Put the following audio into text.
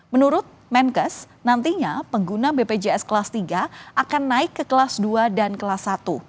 menurut menkes nantinya pengguna bpjs kelas tiga akan naik ke kelas dua dan kelas satu